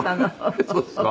そうですか？